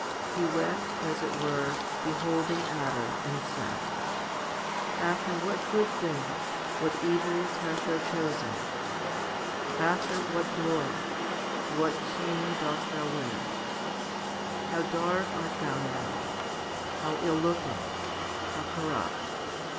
He wept, as it were, beholding Adam, and said, " After what good things, what evils hast thou chosen ! After what glory, what shame dost thou wear ! How dark art thou now ! how ill looking ! how corrupt